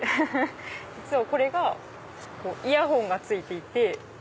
実はこれがイヤホンがついていて。